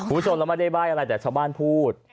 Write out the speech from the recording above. ผู้ชนแล้วไม่ได้ใบ้อะไรแต่ชาวบ้านพูด